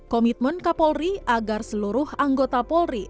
komitmen kapolri agar seluruh anggota polri